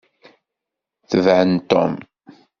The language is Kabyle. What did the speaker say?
Tebɛem Tom!